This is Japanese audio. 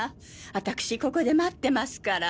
わたくしここで待ってますから。